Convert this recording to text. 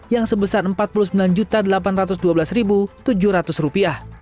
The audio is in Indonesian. yang sebesar rp empat puluh sembilan delapan ratus dua belas tujuh ratus